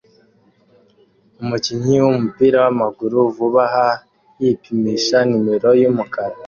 Umukinnyi wumupira wamaguru vuba aha yipimisha nimero yumukara